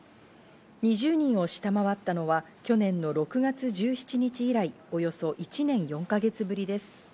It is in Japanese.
２０人を下回ったのは去年の６月１７日以来、およそ１年４か月ぶりです。